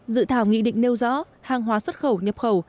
dự thảo nghị định nêu rõ hàng hóa xuất khẩu nhập khẩu